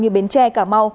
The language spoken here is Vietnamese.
như bến tre cà mau